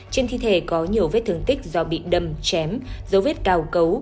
trên thi thể có nhiều vết thương tích do bị đâm chém dấu vết cao cấu